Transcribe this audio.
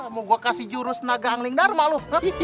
mau gue kasih jurus naga hangling dharma lo